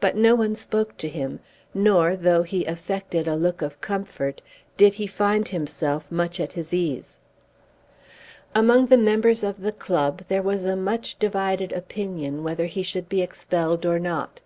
But no one spoke to him; nor, though he affected a look of comfort, did he find himself much at his ease. Among the members of the club there was a much divided opinion whether he should be expelled or not.